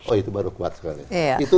oh itu baru kuat sekali